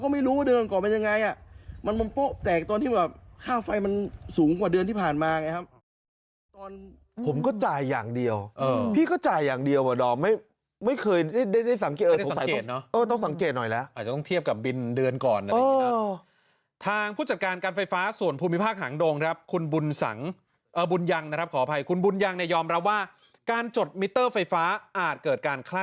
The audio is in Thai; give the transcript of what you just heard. มันบมโป้แต่ตอนแบบค่าไฟ